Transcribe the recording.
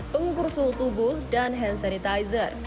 pengukur suhu tubuh dan hand sanitizer